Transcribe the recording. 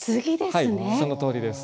はいそのとおりです。